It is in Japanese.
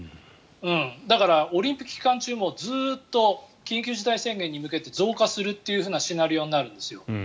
だから、オリンピック期間中もずっと緊急事態宣言に向けて増加するというシナリオになるんですよ。